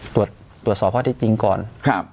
ตรวจตรวจสอบว่าที่จริงก่อนครับ